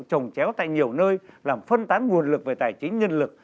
trồng chéo tại nhiều nơi làm phân tán nguồn lực về tài chính nhân lực